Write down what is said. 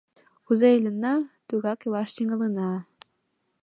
Кузе иленна, тугак илаш тӱҥалына.